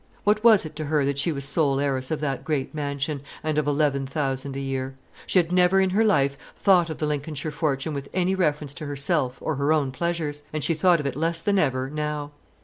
What was it to her that she was sole heiress of that great mansion, and of eleven thousand a year? She had never in her life thought of the Lincolnshire fortune with any reference to herself or her own pleasures; and she thought of it less than ever now.